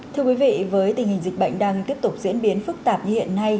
thưa quý vị với tình hình dịch bệnh đang tiếp tục diễn biến phức tạp như hiện nay